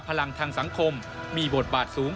พลังทางสังคมมีบทบาทสูง